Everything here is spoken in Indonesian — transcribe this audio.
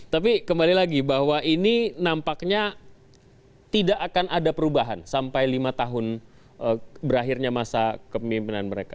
tapi kembali lagi bahwa ini nampaknya tidak akan ada perubahan sampai lima tahun berakhirnya masa kepemimpinan mereka